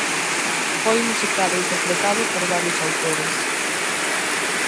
Foi musicado e interpretado por varios autores.